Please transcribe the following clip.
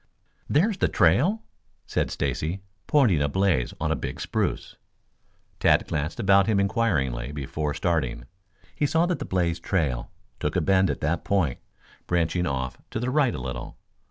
"There is the trail," said Stacy, pointing a blaze on a big spruce. Tad glanced about him inquiringly before starting. He saw that the blazed trail took a bend at that point, branching off to the right a little.